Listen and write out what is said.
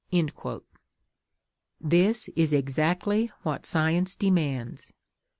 _" This is exactly what Science demands.